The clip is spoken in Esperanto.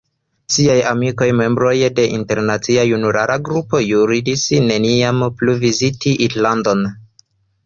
Ŝiaj amikoj – membroj de internacia junulara grupo – ĵuris neniam plu viziti Irlandon.